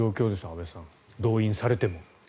安部さん動員されても。